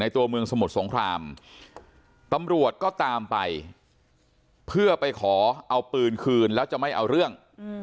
ตัวเมืองสมุทรสงครามตำรวจก็ตามไปเพื่อไปขอเอาปืนคืนแล้วจะไม่เอาเรื่อง